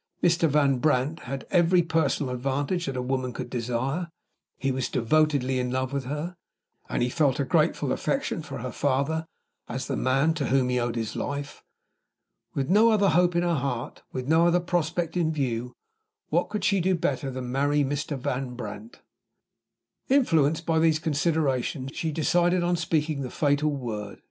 Mr. Van Brandt had every personal advantage that a woman could desire; he was devotedly in love with her; and he felt a grateful affection for her father as the man to whom he owed his life. With no other hope in her heart with no other prospect in view what could she do better than marry Mr. Van Brandt? Influenced by these considerations, she decided on speaking the fatal word.